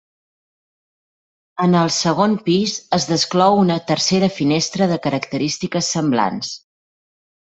En el segon pis es desclou una tercera finestra de característiques semblants.